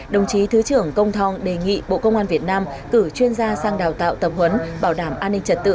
đồng chí thứ trưởng công thong đề nghị bộ công an việt nam cử chuyên gia sang đào tạo tập huấn bảo đảm an ninh trật tự